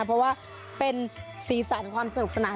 เพราะว่าเป็นสีสันความสนุกสนาน